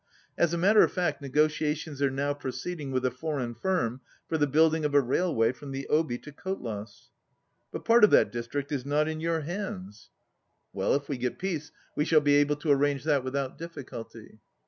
As a matter of fact negotiations are now proceed ing with a foreign firm for the building of a rail way from the Obi to Kotlas." "But part of that district is not in your hands." 105 "If we get peace we shall be able to arrange that without difficulty."